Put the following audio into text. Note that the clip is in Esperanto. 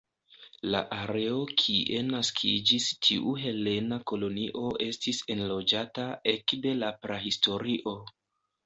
La areo kie naskiĝis tiu helena kolonio estis enloĝata ekde la prahistorio.